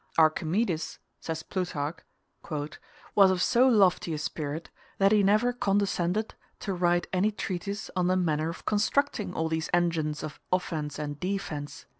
"Archimedes," says Plutarch, "was of so lofty a spirit, that he never condescended to write any treatise on the manner of constructing all these engines of offence and defence.